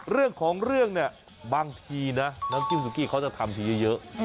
เรื่องของเรื่องเนี่ยบางทีนะน้ำจิ้มสุกี้เขาจะทำทีเยอะ